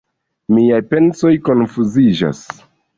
Miaj pensoj konfuziĝas.